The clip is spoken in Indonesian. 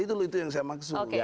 itu yang saya maksud